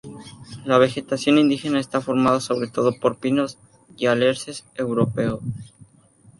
La vegetación indígena está formada sobre todo por pinos y alerces europeo.